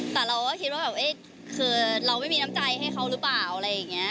แต่เราก็คิดว่าเราไม่มีน้ำใจให้เขาหรือเปล่า